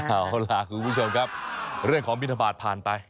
เอาล่ะคุณผู้ชมครับเรื่องของบินทบาทผ่านไป